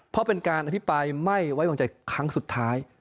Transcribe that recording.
เพราะเป็นการอภิปรายไม่ไว้วางใจครั้งสุดท้าย